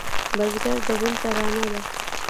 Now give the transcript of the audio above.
بزګر د بڼ ترانه ده